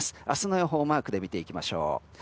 明日の予報マークで見ていきましょう。